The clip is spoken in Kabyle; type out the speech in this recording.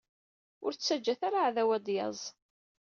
Ur ttaǧǧat ara aɛdaw ad d-yaẓ.